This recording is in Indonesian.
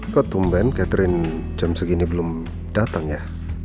ke tumben catherine jam segini belum datang ya